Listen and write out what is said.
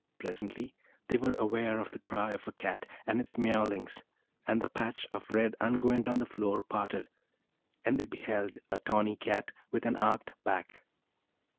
Presently they were aware of the cry of a Cat, and its miaulings; and the patch of red unguent on the floor parted and they beheld a tawny Cat with an arched back.